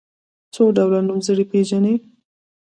څو ډوله نومځري پيژنئ.